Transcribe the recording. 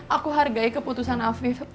aku hargai keputusan afif